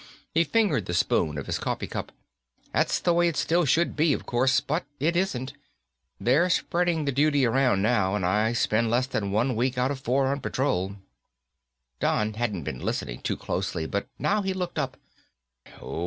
He fingered the spoon of his coffee cup. "That's the way it still should be, of course. But it isn't. They're spreading the duty around now and I spend less than one week out of four on patrol." Don hadn't been listening too closely, but now he looked up.